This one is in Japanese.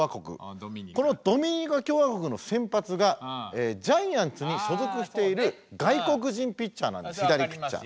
このドミニカ共和国の先発がジャイアンツに所属している外国人ピッチャーなんです左ピッチャー。